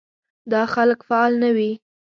دا خلک فعال نه وي.